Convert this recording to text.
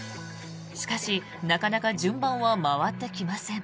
しかし、なかなか順番は回ってきません。